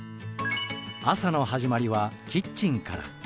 朝の始まりはキッチンから。